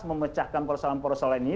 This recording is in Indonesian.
memecahkan persoalan persoalan ini